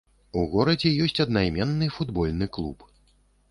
У горадзе ёсць аднайменны футбольны клуб.